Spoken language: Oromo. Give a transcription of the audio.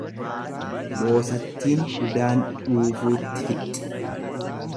Boosattiin udaan dhuufuutti fixxi.